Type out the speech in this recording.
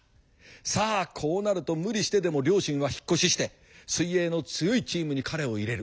さあこうなると無理してでも両親は引っ越しして水泳の強いチームに彼を入れる。